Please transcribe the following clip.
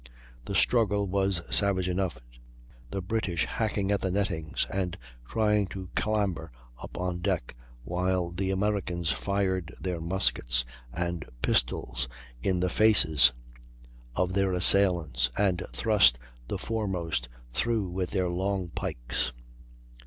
The struggle was savage enough, the British hacking at the nettings and trying to clamber up on deck, while the Americans fired their muskets and pistols in the faces of their assailants and thrust the foremost through with their long pikes.